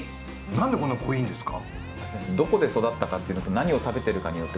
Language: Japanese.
なんでこんなに濃いんですか？